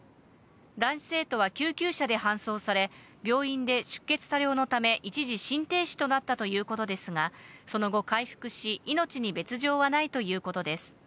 男子生徒は救急車で搬送され、病院で出血多量のため、一時心停止となったということですが、その後、回復し、命に別状はないということです。